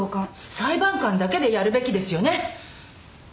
裁判官だけでやるべきですよね。